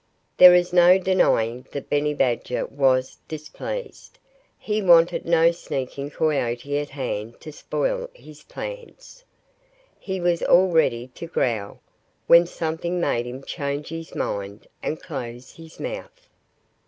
There is no denying that Benny Badger was displeased. He wanted no sneaking coyote at hand to spoil his plans. And he was all ready to growl, when something made him change his mind and close his mouth.